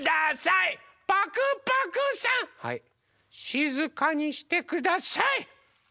しずかにしてください！